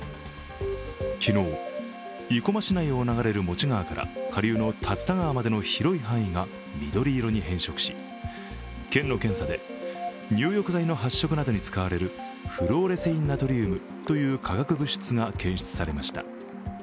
昨日、生駒市内を流れるモチ川から下流の竜田川までの広い範囲が緑色に変色し県の検査で、入浴剤の発色などに使われるフルオレセインナトリウムという化学物質が検出されました。